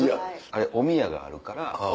あれおみやがあるから。